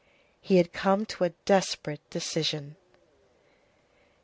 He had come to a desperate decision.